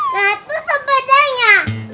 nah itu sepedanya